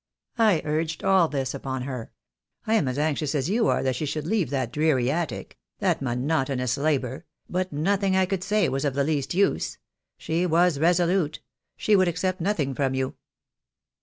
"I urged all this upon her. I am as anxious as you THE DAY WILL COME. I 63 are that she should leave that dreary attic — that mono tonous labour — but nothing I could say was of the least use. She was resolute — she would accept nothing from you."